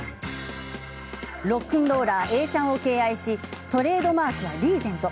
ロックンローラー永ちゃんを敬愛しトレードマークはリーゼント。